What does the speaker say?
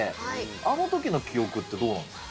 あのときの記憶ってどうなんですか？